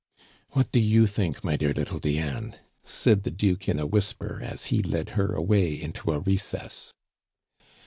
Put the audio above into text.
"What do you think, my dear little Diane?" said the Duke in a whisper, as he led her away into a recess.